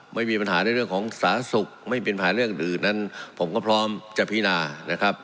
ไม่มีปัญหาในเรื่องของสาธารณสุขไม่มีปัญหาเรื่องอื่นนั้นผมก็พร้อมจะพินานะครับ